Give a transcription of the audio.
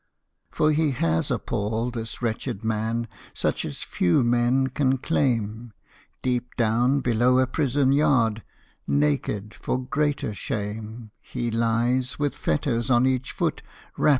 For he has a pall, this wretched man, Such as few men can claim: Deep down below a prison yard, Naked for greater shame, He lies, with fetters on each foot, Wrapt in a sheet of flame!